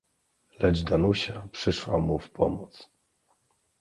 "Lecz Danusia przyszła mu w pomoc."